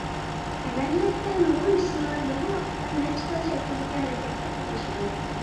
ئەمەلىيەتتە، نۇرغۇن جىسىملار بىرلا ۋاقىتتا نەچچە خىل شەكىلدىكى ھەرىكەتكە قاتنىشىدۇ.